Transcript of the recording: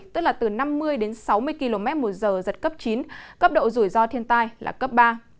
từ năm mươi sáu mươi km một giờ giật cấp chín cấp độ rủi ro thiên tai là cấp ba